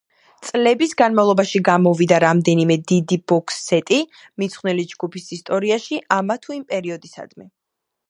წლების განმავლობაში გამოვიდა რამდენიმე დიდი ბოქს-სეტი, მიძღვნილი ჯგუფის ისტორიაში ამა თუ იმ პერიოდისადმი.